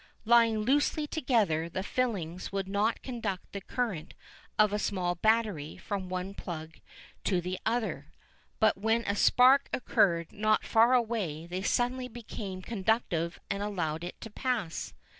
Lying loosely together the filings would not conduct the current of a small battery from one plug to the other, but when a spark occurred not far away they suddenly became conductive and allowed it to pass.